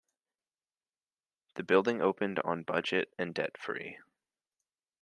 The building opened on budget and debt free.